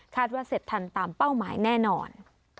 ว่าเสร็จทันตามเป้าหมายแน่นอน